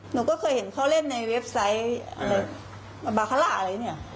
หนูก็เคยเห็นเขาเล่นในเว็บไซต์อะไรบาคาร่าอะไรเนี่ย